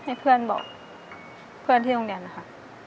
ให้เพื่อนบอกเพื่อนที่โรงเรียนนะคะ